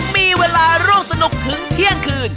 มีเวลาร่วมสนุกถึงเที่ยงคืน